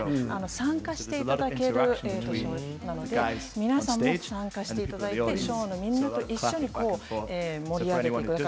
参加していただけるショーなので皆さんも参加していただいてショーをみんなと一緒に盛り上げてください。